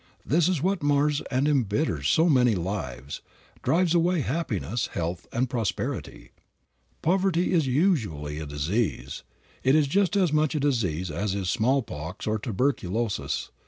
This is what mars and embitters so many lives, drives away happiness, health and prosperity. Poverty is usually a disease. It is just as much a disease as is smallpox or tuberculosis.